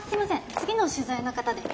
次の取材の方で。